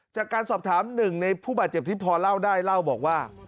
จากการสอบถามหนึ่งในผู้บาดเจ็บที่พอเล่าได้เล่าบอกว่า